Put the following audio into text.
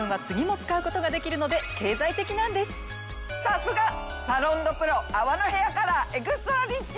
さすがサロンドプロ泡のヘアカラー・エクストラリッチ！